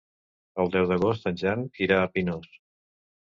El deu d'agost en Jan irà a Pinós.